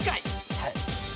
はい。